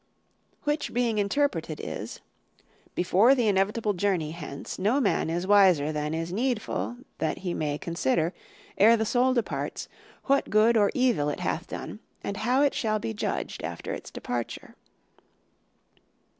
Which being interpreted is: "Before the inevitable journey hence, no man is wiser than is needful that he may consider, ere the soul departs, what good or evil it hath done and how it shall be judged after its departure."